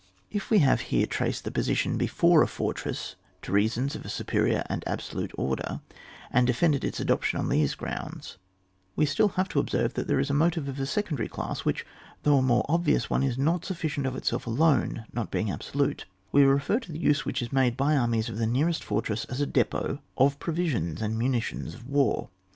If we have here traced the position before a fortress to reasons of a superior and absolute order, and defended its adoption on those grounds, we have still to observe that there is a motive of a secondary class which, though a more obvious one, is not sufidcient of itself alone, not being absolute; we refer to the use which is made by armies of the nearest fortress as a depot of provisions and munitions of war.